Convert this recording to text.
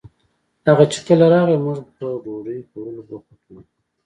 هغه چې کله راغئ موږ په ډوډۍ خوړولو بوخت وو